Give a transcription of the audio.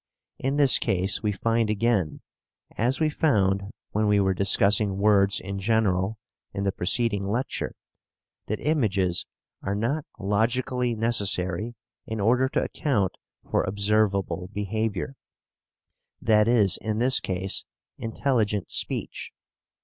In this case we find again, as we found when we were discussing words in general in the preceding lecture, that images are not logically necessary in order to account for observable behaviour, i.e. in this case intelligent speech.